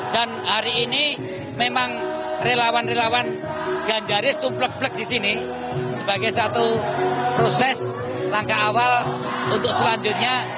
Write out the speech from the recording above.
dan hari ini memang relawan relawan ganjaris tumplek plek di sini sebagai satu proses langkah awal untuk selanjutnya